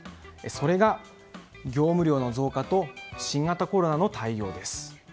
それが、業務量の増加と新型コロナの対応です。